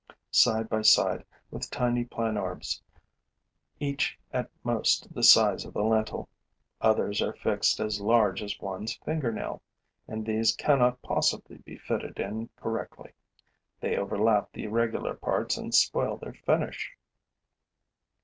Side by side with tiny Planorbes, each at most the size of a lentil, others are fixed as large as one's fingernail; and these cannot possibly be fitted in correctly. They overlap the regular parts and spoil their finish.